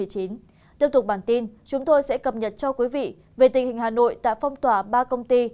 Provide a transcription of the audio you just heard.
tiếp tục bản tin chúng tôi sẽ cập nhật cho quý vị về tình hình hà nội đã phong tỏa ba công ty